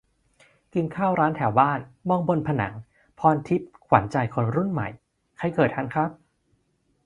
กินข้าวร้านแถวบ้าน มองบนผนัง 'ภรณ์ทิพย์ ขวัญใจคนรุ่นใหม่' ใครเกิดทันครับ ?